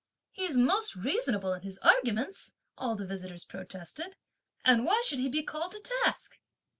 "He's most reasonable in his arguments," all the visitors protested, "and why should he be called to task?"